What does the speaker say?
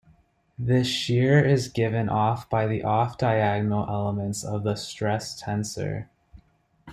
This shear is given by the off-diagonal elements of the stress tensor.